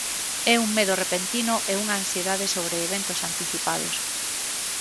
É un medo repentino e unha ansiedade sobre eventos anticipados.